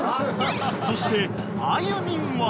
［そしてあゆみんは］